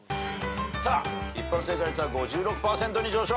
さあ一般正解率は５６％に上昇。